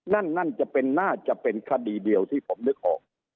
นั่นนั่นจะเป็นน่าจะเป็นคดีเดียวที่ผมนึกออก